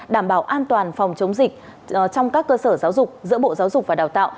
đảm bảo an toàn phòng chống dịch trong các cơ sở giáo dục giữa bộ giáo dục và đào tạo